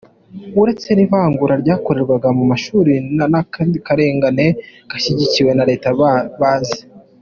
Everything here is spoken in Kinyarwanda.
Uretse n’ivangura ryakorerwaga mu mashuri nta n’akandi karengane gashyigikiwe na leta bazi.